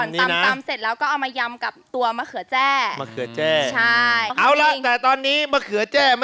ตำตำเสร็จแล้วก็เอามายำกับตัวะเขือแจ้